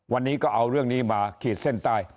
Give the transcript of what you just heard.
วันนี้ก็เอาเรื่องนี้มาขีดเส้นใต้